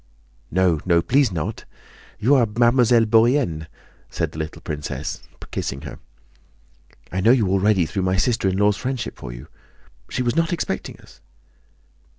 "No, no, please not... You are Mademoiselle Bourienne," said the little princess, kissing her. "I know you already through my sister in law's friendship for you. She was not expecting us?"